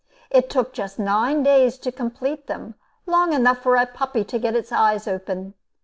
It took just nine days to complete them; long enough for a puppy to get its eyes open.